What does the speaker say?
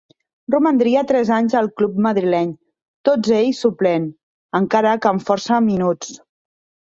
Romandria tres anys al club madrileny, tots ells suplent, encara que amb força minuts.